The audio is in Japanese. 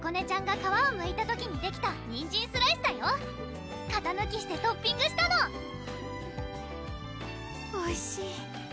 ちゃんが皮をむいた時にできたにんじんスライスだよ型抜きしてトッピングしたのおいしい